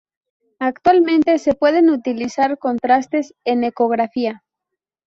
Actualmente se pueden utilizar contrastes en ecografía.